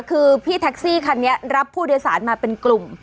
คือพี่แท็กซี่คันนี้รับผู้โดยสารมาเป็นกลุ่ม